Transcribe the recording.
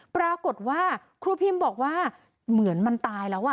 ปรากฏว่าครูพิมบอกว่าเหมือนมันตายแล้ว